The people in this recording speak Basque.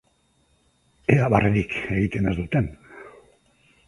Ea barrerik egiten ez duten!